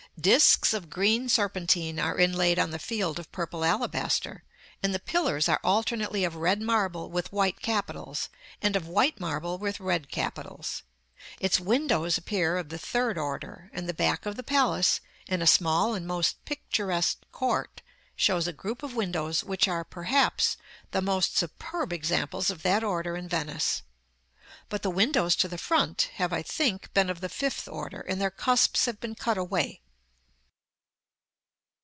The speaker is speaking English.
Disks of green serpentine are inlaid on the field of purple alabaster; and the pillars are alternately of red marble with white capitals, and of white marble with red capitals. Its windows appear of the third order; and the back of the palace, in a small and most picturesque court, shows a group of windows which are, perhaps, the most superb examples of that order in Venice. But the windows to the front have, I think, been of the fifth order, and their cusps have been cut away.